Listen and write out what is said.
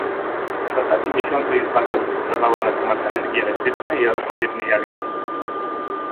W ostatnim miesiącu Izba ta dyskutowała na temat energii elektrycznej i odpowiedniej agencji